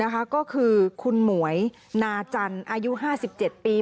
ก็คือคุณหมวยนาจันทร์อายุ๕๗ปี